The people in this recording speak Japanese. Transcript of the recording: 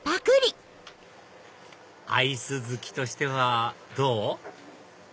アイス好きとしてはどう？